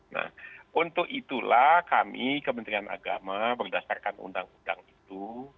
nah untuk itulah kami kementerian agama berdasarkan undang undang itu